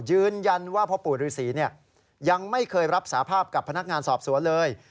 ยืนยันว่าพ่อปู่ฤษียังไม่เคยรับสาภาพกับพนักงานสอบสวนเลย